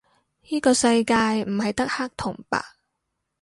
依個世界唔係得黑同白